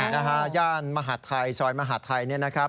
นะฮะย่านมหาดไทยซอยมหาดไทยเนี่ยนะครับ